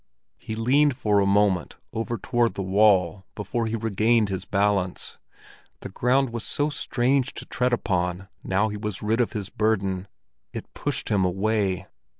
He leaned for a moment over toward the wall before he regained his balance; the ground was so strange to tread upon now he was rid of his burden; it pushed him away.